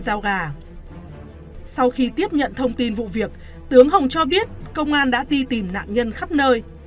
sau gà sau khi tiếp nhận thông tin vụ việc tướng hồng cho biết công an đã đi tìm nạn nhân khắp nơi